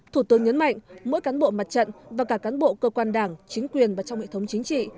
thủ tướng nhấn mạnh mỗi cán bộ mặt trận và cả cán bộ cơ quan đảng chính quyền và trong hệ thống chính trị